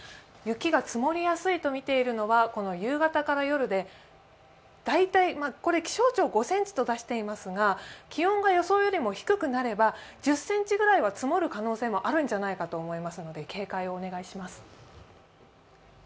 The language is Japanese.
雪が積もりやすいとみているのは夕方から夜で大体、気象庁、５ｃｍと出していますが気温が予想よりも低くなれば１０ｃｍぐらいは積もる可能性があるんじゃないかと思いますので警戒をお願いします。